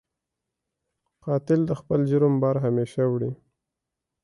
قاتل د خپل جرم بار همېشه وړي